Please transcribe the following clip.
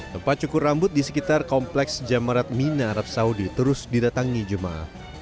tempat cukur rambut di sekitar kompleks jamarat mina arab saudi terus didatangi jemaah